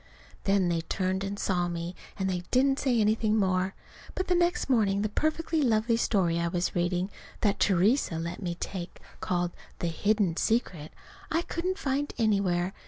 Then they turned and saw me, and they didn't say anything more. But the next morning the perfectly lovely story I was reading, that Theresa let me take, called "The Hidden Secret," I couldn't find anywhere.